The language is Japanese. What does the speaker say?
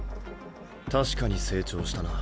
確かに成長したな。